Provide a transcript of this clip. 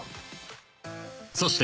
［そして］